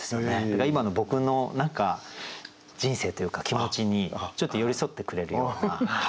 だから今の僕の人生というか気持ちにちょっと寄り添ってくれるような。